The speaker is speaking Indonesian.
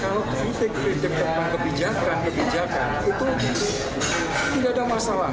kalau kritik kritik tentang kebijakan kebijakan itu tidak ada masalah